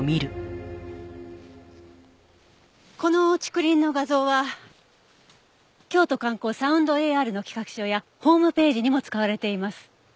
この竹林の画像は京都観光サウンドＡＲの企画書やホームページにも使われています。